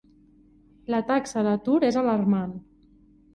La taxa d'atur és alarmant.